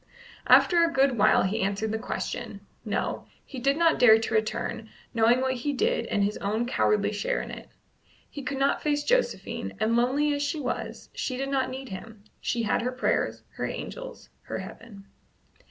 After a good while he answered the question: No; he did not dare to return, knowing what he did and his own cowardly share in it. He could not face Josephine, and, lonely as she was, she did not need him; she had her prayers, her angels, her heaven.